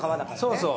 そうそう。